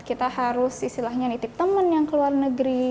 kita harus istilahnya nitip temen yang ke luar negeri